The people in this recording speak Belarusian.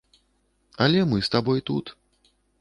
Але мы з табой тут.